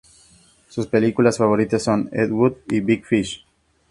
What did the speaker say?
Sus películas favoritas son Ed Wood y Big Fish.